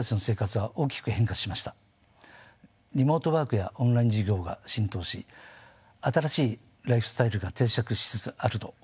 リモートワークやオンライン授業が浸透し新しいライフスタイルが定着しつつあると思います。